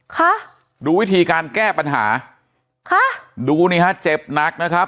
ค่ะดูวิธีการแก้ปัญหาค่ะดูนี่ฮะเจ็บหนักนะครับ